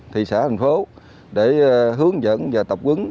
thị xã thành phố để hướng dẫn và tập quấn